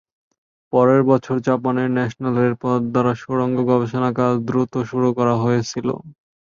পরের বছর জাপানের ন্যাশনাল রেলপথ দ্বারা সুড়ঙ্গ গবেষণা কাজ দ্রুত শুরু করা হয়েছিল।